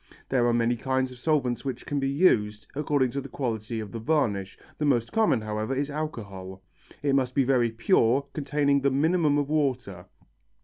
There are many kinds of solvents which can be used, according to the quality of the varnish, the most common, however, is alcohol. It must be very pure, containing the minimum of water.